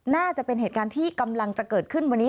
น่าจะเป็นเหตุการณ์ที่กำลังจะเกิดขึ้นวันนี้